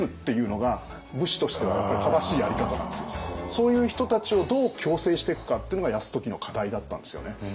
そういう人たちをどう矯正していくかっていうのが泰時の課題だったんですよね。